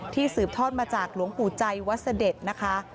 สืบทอดมาจากหลวงปู่ใจวัดเสด็จนะคะ